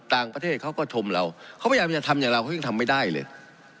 ต่างประเทศเขาก็ชมเราเขาพยายามจะทำอย่างเราเขายังทำไม่ได้เลย